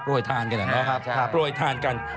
โปรดทานกันเนอะโปรดทานกัน